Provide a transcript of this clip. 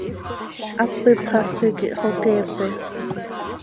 Hap ipxasi quih hxoqueepe.